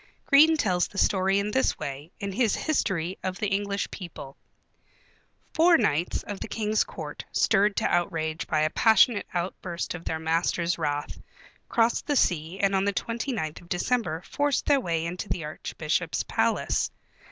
Green tells the story in this way, in his History of the English People: "Four knights of the King's court, stirred to outrage by a passionate outburst of their master's wrath, crossed the sea and on the twenty ninth of December forced their way into the Archbishop's palace.